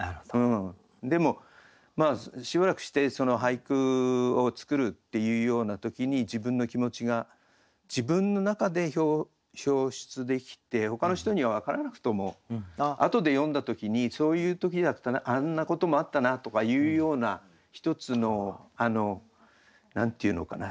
でもしばらくして俳句を作るっていうような時に自分の気持ちが自分の中で表出できてほかの人には分からなくともあとで読んだ時にそういう時だったなあんなこともあったなとかいうような１つの何て言うのかな人生のしおりみたいな。